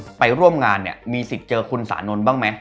ในไปร่วมงานมีสิทธิเจอคุณสานนท์บ้างไหม